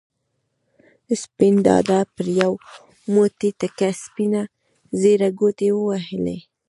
سپین دادا پر یو موټی تکه سپینه ږېره ګوتې ووهلې.